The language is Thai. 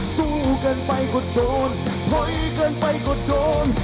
สู้เกินไปก็โดนถอยเกินไปก็โดน